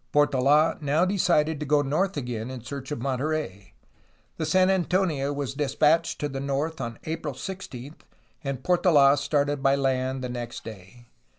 Portola now decided to go north again in search of Monterey. The San Antonio was despatched to the north on April 16, and Portola started by land the next day.